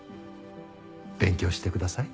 勉強してください。